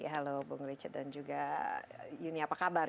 halo bung richard dan juga yuni apa kabar